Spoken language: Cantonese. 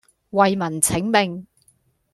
為民請命